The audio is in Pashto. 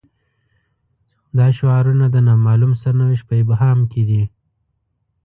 دا شعارونه د نا معلوم سرنوشت په ابهام کې دي.